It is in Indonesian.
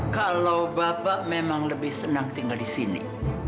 kalau bapak memang lebih senang tinggal di sini